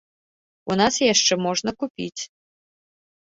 У нас яшчэ можна купіць.